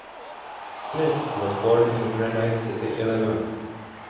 Smith was born in Granite City, Illinois.